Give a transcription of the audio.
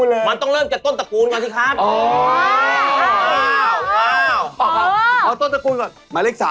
พ่อเกิดที่ไหนครับครับเารคา